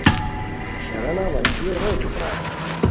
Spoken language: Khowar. شرانہ وشلیو روئیتو پرائے